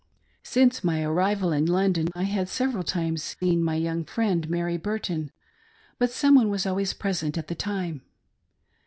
Since my arrival in London I had several times seen my young friend, Mary Burton, but some one was always present at the time.